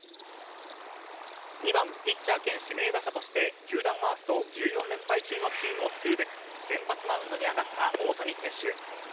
２番ピッチャー兼指名打者として球団ワースト１４連敗中のチームを救うべく先発マウンドに上がった大谷選手。